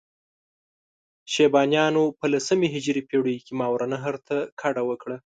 شیبانیانو په لسمې هجري پېړۍ کې ماورالنهر ته کډه وکړه.